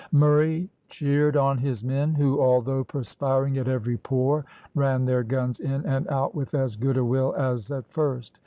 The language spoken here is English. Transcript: Murray cheered on his men, who although perspiring at every pore, ran their guns in and out with as good a will as at first.